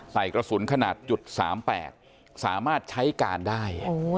กระสุนขนาด๓๘สามารถใช้การได้